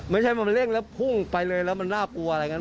ไม่ใช่มันเร่งแล้วพุ่งไปเลยแล้วมันน่ากลัวอะไรกัน